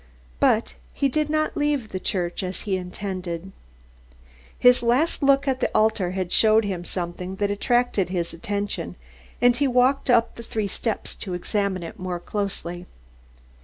But he did not leave the church as he intended. His last look at the altar had showed him something that attracted his attention and he walked up the three steps to examine it more closely.